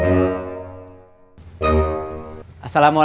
jangan lupa subscribe like share dan share ya